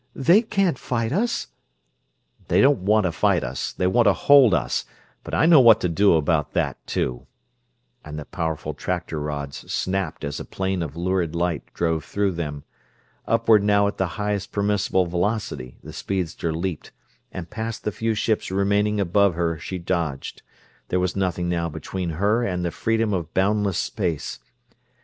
They can't fight us!" "They don't want to fight us. They want to hold us, but I know what to do about that, too," and the powerful tractor rods snapped as a plane of lurid light drove through them. Upward now at the highest permissible velocity the speedster leaped, and past the few ships remaining above her she dodged; there was nothing now between her and the freedom of boundless space.